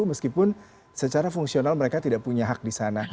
meskipun secara fungsional mereka tidak punya hak di sana